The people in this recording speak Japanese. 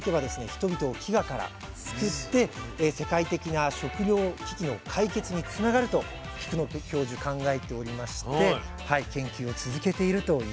人々を飢餓から救って世界的な食糧危機の解決につながると菊野教授考えておりまして研究を続けているということなんですね。